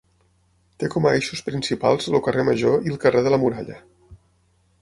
Té com a eixos principals el carrer Major i el carrer de la Muralla.